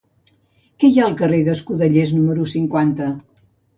Què hi ha al carrer d'Escudellers número cinquanta?